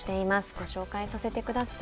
ご紹介させてください。